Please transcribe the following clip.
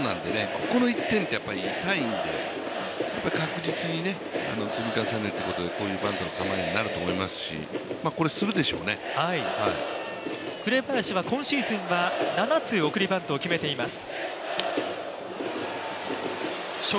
ここの１点ってやっぱり痛いんで、確実に積み重ねるということでこういうバントの構えになると思いますし紅林は今シーズンは７つ送りバントを決めています。